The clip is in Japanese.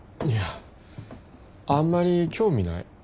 いやあんまり興味ない。